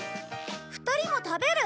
２人も食べる？